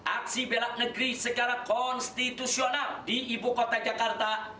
aksi bela negeri segera konstitusional di ibukota jakarta